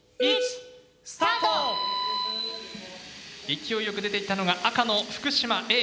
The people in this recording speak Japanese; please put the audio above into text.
勢いよく出ていったのが赤の福島Ａ。